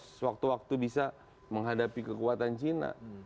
sewaktu waktu bisa menghadapi kekuatan cina